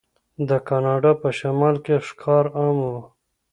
د کاناډا په شمال کې ښکار عام و.